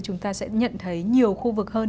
chúng ta sẽ nhận thấy nhiều khu vực hơn